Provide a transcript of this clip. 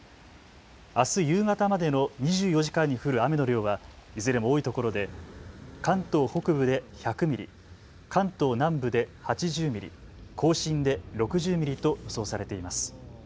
あす夕方までの２４時間に降る雨の量はいずれも多いところで関東北部で１００ミリ、関東南部で８０ミリ、甲信で６０ミリと予想されています。